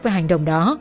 về hành động đó